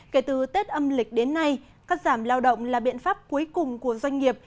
kể từ tết âm lịch đến nay cắt giảm lao động là biện pháp cuối cùng của doanh nghiệp